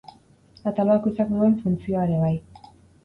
Atal bakoitzak duen funtzioa ere bai.